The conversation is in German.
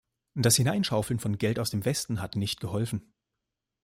Das Hineinschaufeln von Geld aus dem Westen hat nicht geholfen.